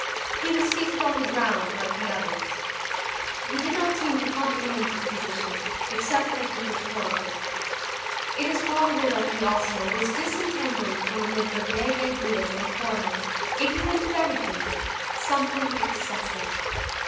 He was seated on the ground like the others. He did not seem to comprehend his position, except that it was horrible. It is probable that he, also, was disentangling from amid the vague ideas of a poor man, ignorant of everything, something excessive.